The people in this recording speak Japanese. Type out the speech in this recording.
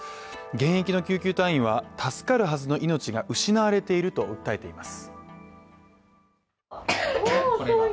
現役の救急隊員は、助かるはずの命が失われていると訴えています。